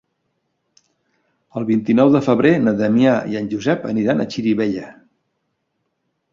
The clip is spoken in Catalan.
El vint-i-nou de febrer na Damià i en Josep aniran a Xirivella.